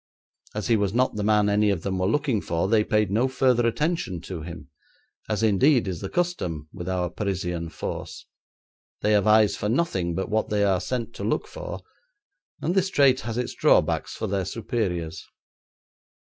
As he was not the man any of them were looking for they paid no further attention to him, as, indeed, is the custom with our Parisian force. They have eyes for nothing but what they are sent to look for, and this trait has its drawbacks for their superiors.